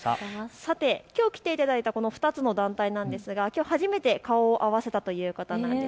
きょう来ていただいた２つの団体ですがきょう初めて顔を合わせたということなんです。